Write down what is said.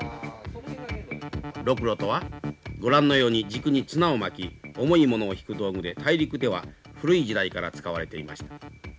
ロクロとはご覧のように軸に綱を巻き重いものを引く道具で大陸では古い時代から使われていました。